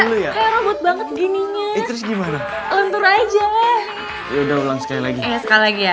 hai gue kayak robot banget gini terus gimana untuk aja udah ulang sekali lagi sekali lagi ya